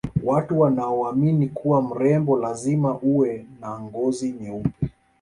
watu wanaoamini kuwa mrembo lazima uwe na ngozi nyeupe